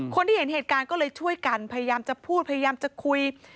คนที่เห็นเหตุการณ์ก็เลยช่วยกันพยายามจะพูดพยายามจะคุย